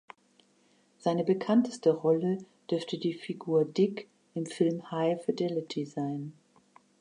Seine bekannteste Rolle dürfte die Figur "Dick" im Film "High Fidelity" sein.